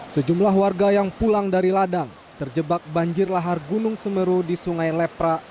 sejumlah warga yang pulang dari ladang terjebak banjir lahar gunung semeru di sungai lepra